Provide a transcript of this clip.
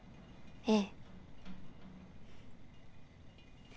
ええ。